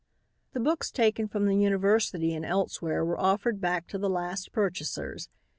The books taken from the university and elsewhere were offered back to the last purchasers.